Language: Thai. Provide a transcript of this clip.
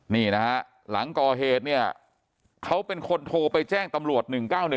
นี่นะฮะหลังก่อเหตุเนี่ยเขาเป็นคนโทรไปแจ้งตำรวจ๑๙๑